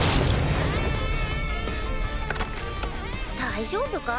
大丈夫か？